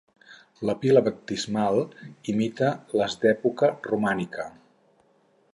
La pila baptismal imita les d'època romànica.